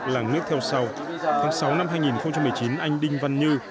làng nước theo sau tháng sáu năm hai nghìn một mươi chín anh đinh văn như